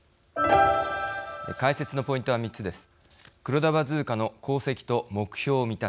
解説のポイントは３つです。